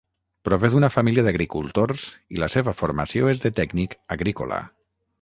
Prové d'una família d'agricultors i la seva formació és de tècnic agrícola.